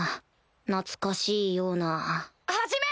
懐かしいような始め！